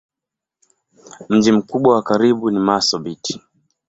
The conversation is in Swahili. Mji mkubwa wa karibu ni Marsabit.